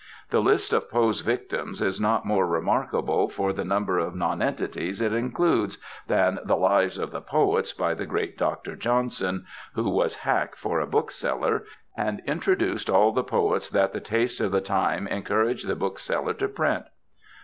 The list of Poe's victims is not more remarkable for the number of nonentities it includes than "The Lives of the Poets" by the great Doctor Johnson, who was hack for a bookseller, and "introduced" all the poets that the taste of the time encouraged the bookseller to print.